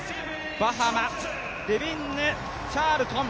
バハマ、デビンヌ・チャールトン。